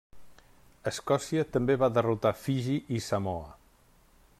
Escòcia també va derrotar Fiji i Samoa.